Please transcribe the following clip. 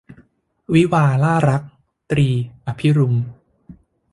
วิวาห์ล่ารัก - ตรี อภิรุม